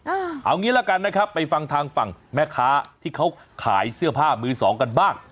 เอางี้ละกันนะครับไปฟังทางฝั่งแม่ค้าที่เขาขายเสื้อผ้ามือสองกันบ้าง